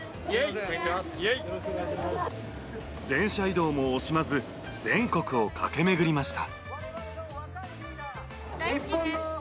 電車移動も惜しまず、全国を駆け巡りました。